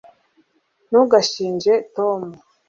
ntugashinje tom